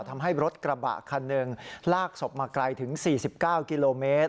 ทำให้รถกระบะคันหนึ่งลากศพมาไกลถึง๔๙กิโลเมตร